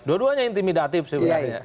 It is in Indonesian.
dua duanya intimidatif sebenarnya